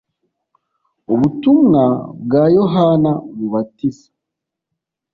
ubutumwa bwa Yohana umubatiza.